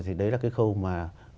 thì đấy là cái khâu mà